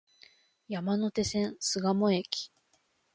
山手線、巣鴨駅